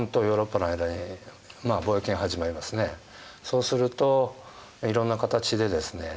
そうするといろんな形でですね